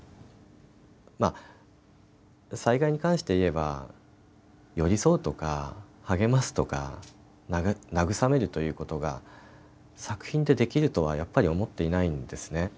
災害に関していえば寄り添うとか励ますとか慰めるということが作品でできるとはやっぱり思っていないんですね。